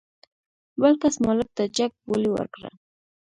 بل کس مالک ته جګ بولي ورکړه.